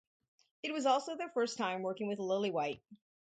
It was also their first time working with Lillywhite.